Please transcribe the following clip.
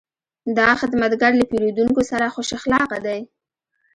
دا خدمتګر له پیرودونکو سره خوش اخلاقه دی.